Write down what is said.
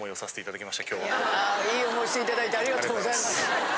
いい思いして頂いてありがとうございます。